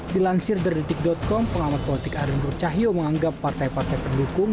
di lansir derdetik com pengamat politik arim burcahio menganggap partai partai pendukung